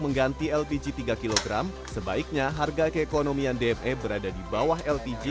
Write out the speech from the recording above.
mengganti lpg tiga kg sebaiknya harga keekonomian dme berada di bawah lpg